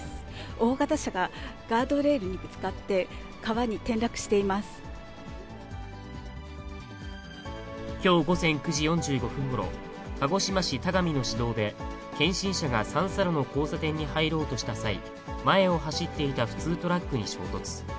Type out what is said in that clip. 大型車がガードレールにぶつかっきょう午前９時４５分ごろ、鹿児島市田上の市道で、検診車が三差路の交差点に入ろうとした際、前を走っていた普通トラックに衝突。